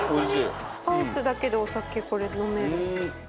奈緒：スパイスだけでお酒、これ飲める。